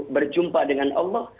berjumpa dengan allah